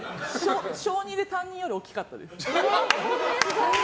小２で担任より大きかったです。